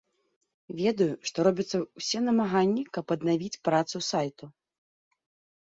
Ведаю, што робяцца ўсе намаганні, каб аднавіць працу сайту.